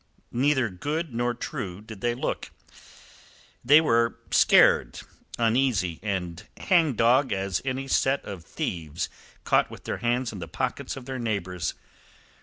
Neither good nor true did they look. They were scared, uneasy, and hangdog as any set of thieves caught with their hands in the pockets of their neighbours.